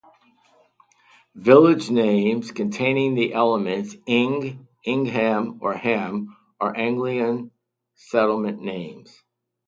Village names containing the elements -ing, -ingham or -ham are Anglian settlement names.